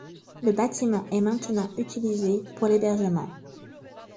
Le bâtiment est maintenant utilisé pour l'hébergement.